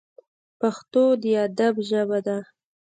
پښتو د ادب ژبه ده